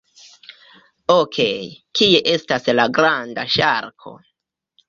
Okej, kie estas la granda ŝarko?